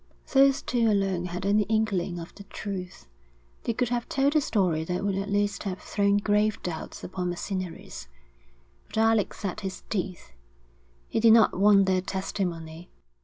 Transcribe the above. Those two alone had any inkling of the truth; they could have told a story that would at least have thrown grave doubts upon Macinnery's. But Alec set his teeth; he did not want their testimony.